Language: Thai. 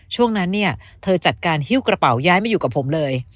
ช่วงนั้นเนี่ยเธอจัดการหิ้วกระเป๋าย้ายมาอยู่กับผมเลย